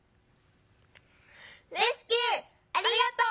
「レスキューありがとう！